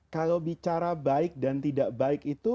kalau bicara baik dan tidak baik itu